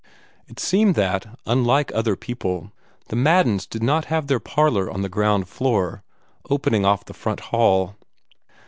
It seemed that, unlike other people, the Maddens did not have their parlor on the ground floor, opening off the front hall.